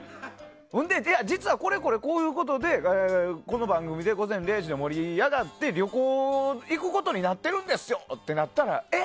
それで実はこれこれこういうことでこの番組で盛り上がって旅行行くことになってるんですよってなったらえ？